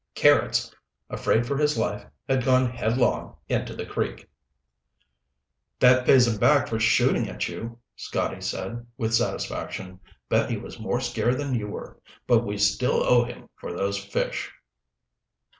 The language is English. Carrots, afraid for his life, had gone headlong into the creek. "That pays him back for shooting at you," Scotty said with satisfaction. "Bet he was more scared than you were. But we still owe him for those fish."